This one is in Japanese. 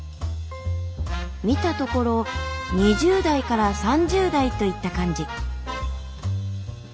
見たところ２０代から３０代といった感じ。